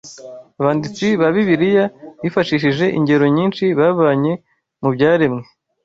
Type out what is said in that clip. Abanditsi ba Bibiliya bifashishije ingero nyinshi bavanye mu byaremwe